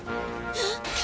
えっ？